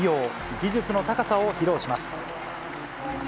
技術の高さを披露します。